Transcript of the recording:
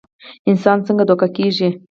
انسان څنګ دوکه کيږي